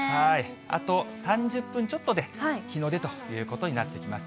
あと３０分ちょっとで日の出ということになってきます。